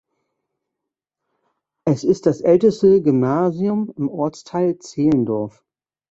Es ist das älteste Gymnasium im Ortsteil Zehlendorf.